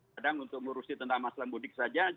kadang untuk ngurusi tentang masalah mudik saja